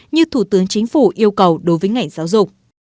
như thủ tướng chính phủ yêu cầu đối với ngành giáo dục